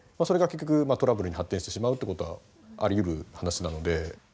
それが結局トラブルに発展してしまうということはありうる話なので。